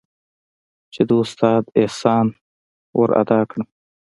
چې د استاد احسان ورادا کړم.